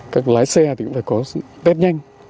các lái xe thì cũng phải có tép nhanh